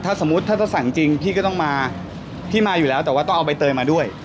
ถ้าสมมุติถ้าจะสั่งจริงพี่ก็ต้องมาพี่มาอยู่แล้วแต่ว่าต้องเอาใบเตยมาด้วย